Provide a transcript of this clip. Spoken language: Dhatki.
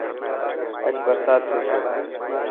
اڄ برسات ٿيسي.